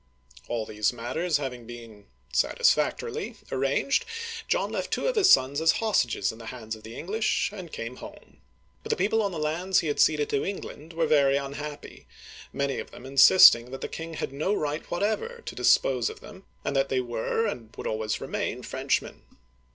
All these matters having been satisfactorily arranged, John left two of his sons as hostages in the hands of the English, and came home. But the people on the lands he had ceded to England were very unhappy, many of them insisting that the king had no right whatever to dispose of them, and that they were and would always remain French men.